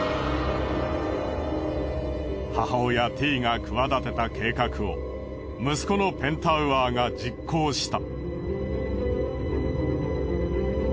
母親ティイが企てた計画を息子のペンタウアーが実行した。